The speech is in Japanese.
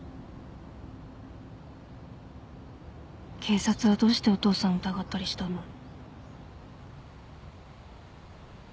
警察はどうしてお父さんを疑ったりしたんだろう。